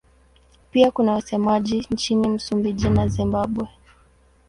Pia kuna wasemaji nchini Msumbiji na Zimbabwe.